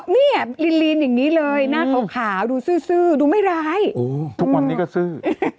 เนี่ยลีนอย่างนี้เลยหน้าขาวดูซื่อดูไม่ร้ายทุกวันนี้ก็ซื้อ